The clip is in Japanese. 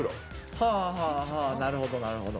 はあはあはあなるほどなるほど。